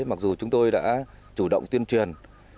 mặc dù chúng tôi đã chủ động tuyên truyền